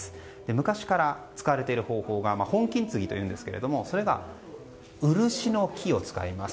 昔から使われている方法が本金継ぎというんですがそれがウルシの木を使います。